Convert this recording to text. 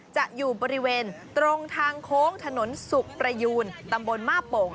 จะอยู่บริเวณตรงทางโค้งถนนสุขประยูนตำบลมาโป่ง